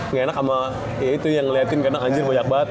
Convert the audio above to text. nggak enak sama ya itu yang ngeliatin karena anjir banyak banget